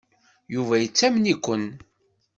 Yuba yettamen-iken.